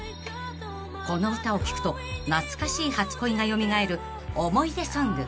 ［この歌を聴くと懐かしい初恋が蘇る思い出ソング］